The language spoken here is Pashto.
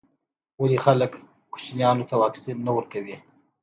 ولي خلګ کوچنیانو ته واکسین نه ورکوي.